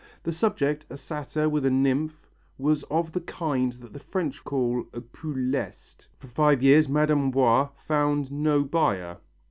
The subject, a satyr with a nymph, was of the kind that the French call un peu leste. For five years Mme. Boiss found no buyer.